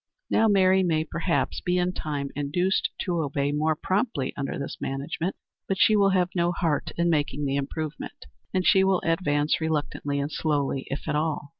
Now Mary may, perhaps, be in time induced to obey more promptly under this management, but she will have no heart in making the improvement, and she will advance reluctantly and slowly, if at all.